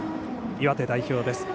岩手代表です。